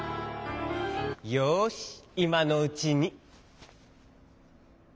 よしいまのうちに。